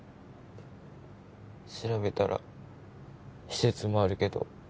調べたら施設もあるけど